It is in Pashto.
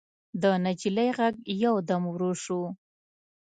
د نجلۍ غږ يودم ورو شو.